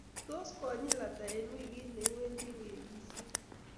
Tos konyil ata eng wikit ne iwendi wi alisiei